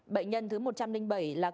bệnh nhân thứ một trăm linh bảy là con gái